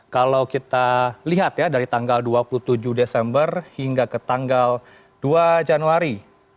kalau kita lihat ya dari tanggal dua puluh tujuh desember hingga ke tanggal dua januari dua ribu dua puluh satu